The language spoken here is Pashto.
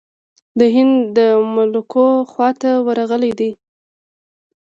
د هند د ملوکو خواته ورغلی دی.